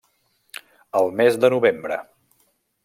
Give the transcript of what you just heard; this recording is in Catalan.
Al mes de novembre.